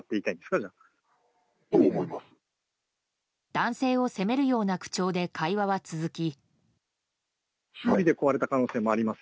男性を責めるような口調で会話は続き。